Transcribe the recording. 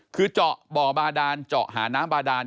คือเจาะบ่อบาดานเจาะหาน้ำบาดาน